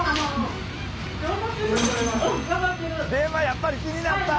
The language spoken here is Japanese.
やっぱり気になった。